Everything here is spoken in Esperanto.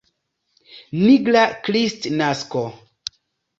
Nigra Kristnasko.